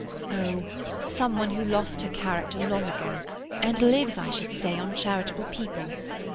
"Oh, some one who lost her character long ago, and lives, I should say, on charitable people.